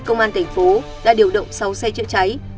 công an tp đã điều động sáu xe chữa cháy